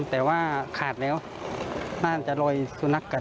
แต่ว่าขาดแล้วน่าจะลอยสุนัขกัด